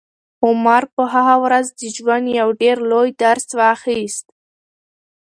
عمر په هغه ورځ د ژوند یو ډېر لوی درس واخیست.